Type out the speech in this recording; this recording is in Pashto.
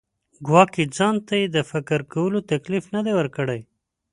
ګواکې ځان ته یې د فکر کولو تکلیف نه دی ورکړی.